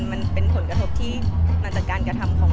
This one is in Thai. แม็กซ์ก็คือหนักที่สุดในชีวิตเลยจริง